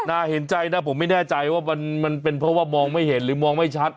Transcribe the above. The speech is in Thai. น่าเห็นใจนะผมไม่แน่ใจว่ามันเป็นเพราะว่ามองไม่เห็นหรือมองไม่ชัด